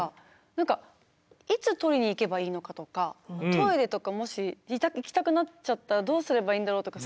何かいつ取りに行けばいいのかとかトイレとかもし行きたくなっちゃったらどうすればいいんだろうとか。